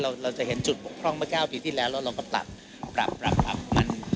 เราจะเห็นจุดบกพร่องเมื่อ๙ปีที่แล้วแล้วเราก็ปรับปรับมัน